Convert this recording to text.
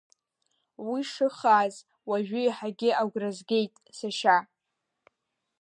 Уи шыхааз уажәы еиҳагьы агәра згеит, сашьа!